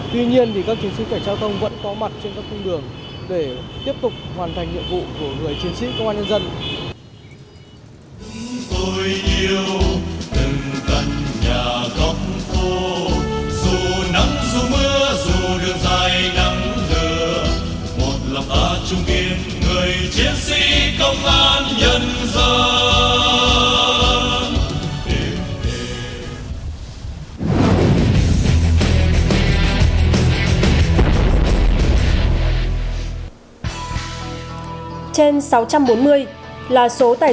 tuy nhiên thì các chiến sĩ kiểm tra giao thông vẫn có mặt trên các cung đường để tiếp tục hoàn thành nhiệm vụ của người chiến sĩ công an nhân dân